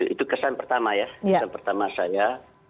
itu kesan pertama ya kesan pertama saya